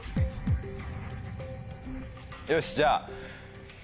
よしじゃあ。